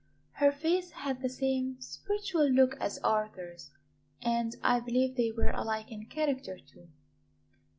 Her face had the same spiritual look as Arthur's, and I believe they were alike in character, too.